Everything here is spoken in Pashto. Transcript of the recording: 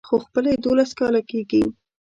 خو خپله يې دولس کاله کېږي.